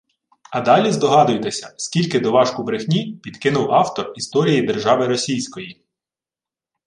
А далі здогадуйтеся, скільки «доважку брехні» підкинув автор «Історії держави Російської»